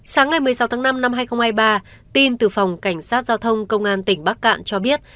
sáng ngày một mươi sáu tháng năm năm hai nghìn hai mươi ba tin từ phòng cảnh sát giao thông công an tỉnh bắc cạn cho biết